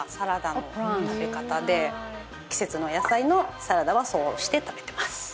季節の野菜のサラダはそうして食べてます。